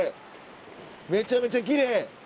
めちゃめちゃきれい！